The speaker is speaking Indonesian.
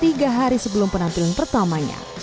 tiga hari sebelum penampilan pertamanya